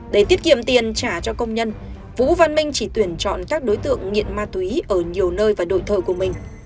để tiết kiệm tiền trả cho công nhân vũ văn minh chỉ tuyển chọn các đối tượng nghiện ma túy ở nhiều nơi và đội thợ của mình